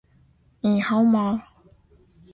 底边猫雷！